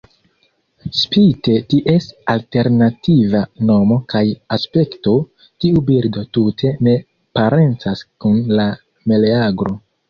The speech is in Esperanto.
Spite ties alternativa nomo kaj aspekto, tiu birdo tute ne parencas kun la meleagro.